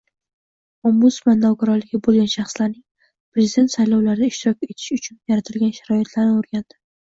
Ombudsman nogironligi bo‘lgan shaxslarning prezident saylovlarida ishtirok etishi uchun yaratilgan sharoitlarni o‘rgandi